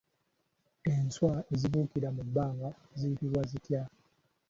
Enswa ezibuukira mu bbanga ziyitibwa zitya?